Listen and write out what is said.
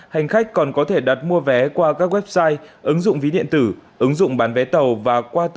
hành khách còn có thể đặt mua vé qua các website ứng dụng ví điện tử ứng dụng bán vé tàu và qua